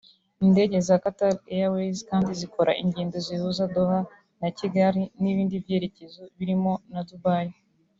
Indege za Qatar Airways kandi zikora ingendo zihuza Doha na Kigali n’ibindi byerekezo birimo na Dubai